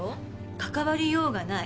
かかわりようがない。